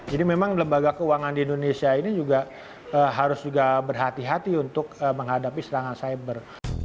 jadi memang lembaga keuangan di indonesia ini juga harus juga berhati hati untuk menghadapi serangan siber